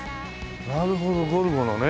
なるほどゴルゴのね。